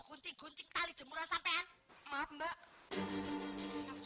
punting punting tali jemuran sampaian mbak